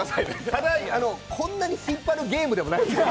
ただ、こんなに引っ張るゲームでもないんですよ。